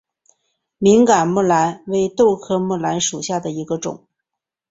敏感木蓝为豆科木蓝属下的一个种。